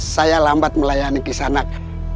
saya lambat melayani kisah nak